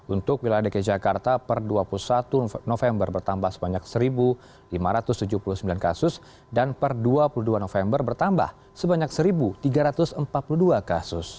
untuk wilayah dki jakarta per dua puluh satu november bertambah sebanyak satu lima ratus tujuh puluh sembilan kasus dan per dua puluh dua november bertambah sebanyak satu tiga ratus empat puluh dua kasus